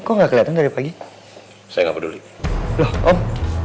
ehm masalahnya apa om